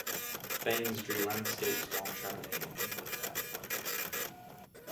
Baynes drew landscapes while traveling in England and Wales.